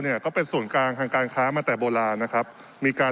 เนี่ยก็เป็นส่วนกลางทางการค้ามาแต่โบราณนะครับมีการ